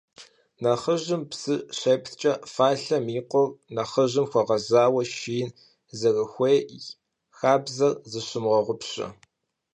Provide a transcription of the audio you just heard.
Nexhıjım psı şêptç'e falhem yi khur nexhıjım xueğezaue şşiin zerıxuêy xabzer zeşomığeğupşe.